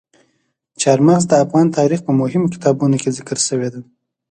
چار مغز د افغان تاریخ په مهمو کتابونو کې ذکر شوي دي.